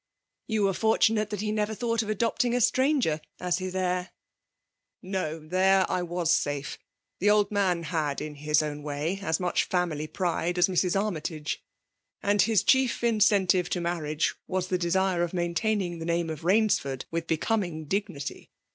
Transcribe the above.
'< You wete finrtunate that be never thou^t of adopting a straiigef for his heir." *'TSol— There I waa sab. The old m^xL had, in his own vtaj,. as much fiimily pride afr Mrs. Armytage ; and his chief incentive toi marrii^e was the desire of maintaining tha name of Bainsford with becoming dignity.